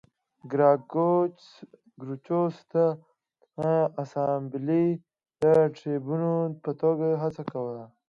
ګراکچوس د اسامبلې د ټربیون په توګه هڅه کوله